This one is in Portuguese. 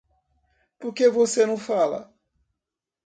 Por que você não fala?